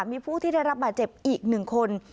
มีผู้ที่ได้รับบาดเจ็บอีก๑คน